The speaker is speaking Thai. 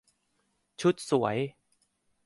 ชุดสวย